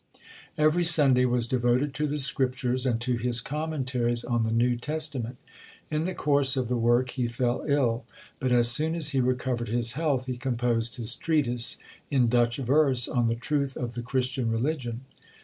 Every Sunday was devoted to the Scriptures, and to his Commentaries on the New Testament. In the course of the work he fell ill; but as soon as he recovered his health, he composed his treatise, in Dutch verse, on the Truth of the Christian Religion.